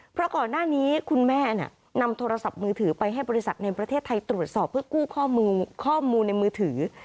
เพราะก่อนหน้านี้คุณแม่นำโทรศัพท์มือถือไปให้บริษัทในประเทศไทยตรวจสอบเพื่อกู้ข้อมูลในมือถือ